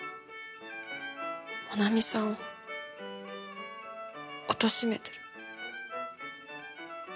もなみさんをおとしめてる。